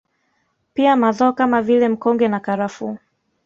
Pia mazao kama vile mkonge na karafuu